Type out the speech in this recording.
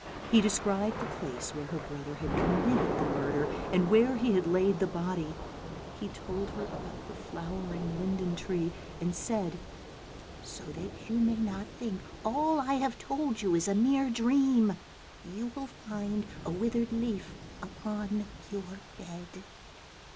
He described the place where her brother had com mitted the murder, and where he had laid the body; he told her about the flowering linden tree, and said, " So that you may not think all I have told you is a mere dream, you will find a withered leaf upon your bed."